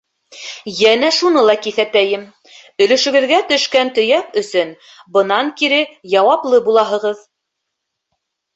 Йәнә шуны ла киҫәтәйем: өлөшөгөҙгә төшкән төйәк өсөн бынан кире яуаплы булаһығыҙ.